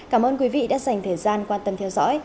cảm ơn quý vị đã dành thời gian quan tâm theo dõi